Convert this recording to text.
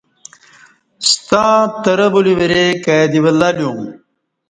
ستاترہ بلی ورے کا ی دی ولہ لیوم